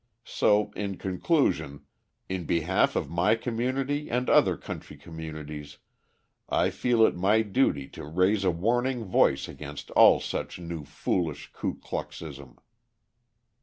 So in conclusion, in behalf of my community and other country communities, I feel it my duty to raise a warning voice against all such new foolish ku kluxism.